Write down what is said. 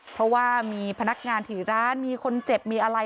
เพราะว่ามีพนักงานที่ร้านมีคนเจ็บมีอะไร